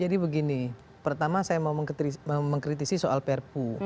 jadi begini pertama saya mau mengkritisi soal perpu